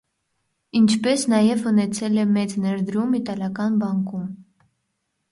Ինչպես նաև ունեցել է մեծ ներդրում իտալական բանկում։